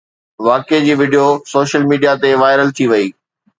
واقعي جي video social media تي وائرل ٿي وئي